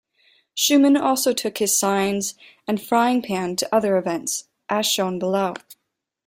Schuman also took his signs and frying pan to other events, as shown below.